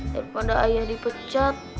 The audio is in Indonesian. daripada ayah dipecat